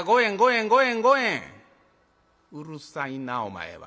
「うるさいなお前は。